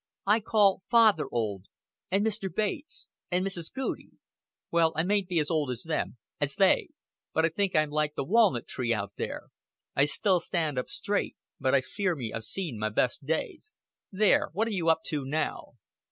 "I call father old, and Mr. Bates and Mrs. Goudie." "Well, I mayn't be as old as them as they; but I think I'm like the walnut tree out there. I still stand up straight, but I fear me I've seen my best days.... There! What are you up to now?"